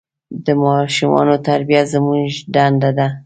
د ماشومان تربیه زموږ دنده ده.